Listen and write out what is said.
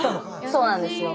そうなんですよ。